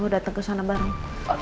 dateng kesana bareng